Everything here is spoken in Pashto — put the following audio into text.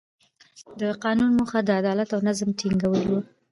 د قانون موخه د عدالت او نظم ټینګول وو.